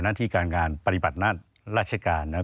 หน้าที่การการปฏิบัตินัดราชการ